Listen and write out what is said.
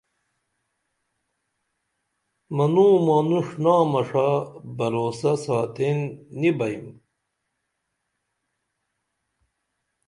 منوں مانوݜنامہ ݜا بھروسہ ساتین نی بئیم